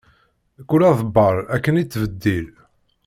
Kul aḍebbal akken ittḍebbil.